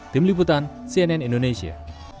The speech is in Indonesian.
tim liputan cnn indonesia